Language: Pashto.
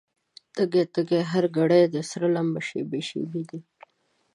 تږی، تږی هر ګړی دی، سره لمبه شېبې شېبې دي